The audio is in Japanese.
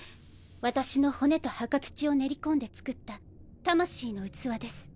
私の骨と墓土を練り込んで作った霊の器です。